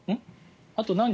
あと何日？